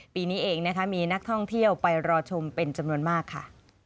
ปีนี้เองนะคะมีนักท่องเที่ยวไปรอชมเป็นจำนวนมากค่ะ